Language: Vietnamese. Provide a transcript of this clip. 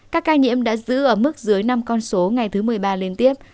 các ca nhiễm đã giữ ở mức dưới năm con số ngày thứ một mươi ba liên tiếp